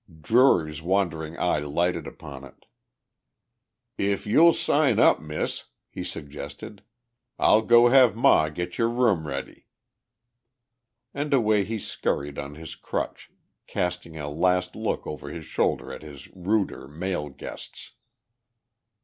Drury's wandering eye lighted upon it. "If you'll sign up, Miss," he suggested, "I'll go have Ma get your room ready." And away he scurried on his crutch, casting a last look over his shoulder at his ruder male guests.